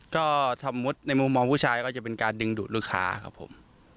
ก็สมมุติในมุมมองผู้ชายก็จะเป็นการดึงดูดลูกค้าครับผม